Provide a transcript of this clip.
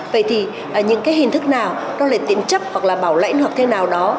vậy thì những cái hình thức nào đó là tiến chấp hoặc là bảo lãnh hoặc thế nào